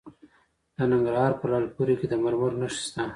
د ننګرهار په لعل پورې کې د مرمرو نښې شته.